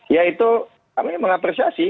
ya itu kami mengapresiasi